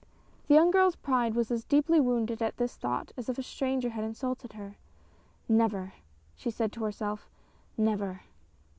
The young girl's pride was as deeply wounded at this thought as if a stranger had insulted her. " Never !" she said to herself, " never